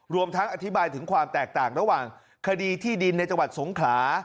รวมทั้งอธิบายถึงความแตกต่างระหว่างคดีที่ดินในจังหวัดสงขลา